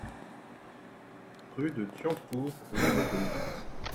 Rue de Thiancourt au numéro huit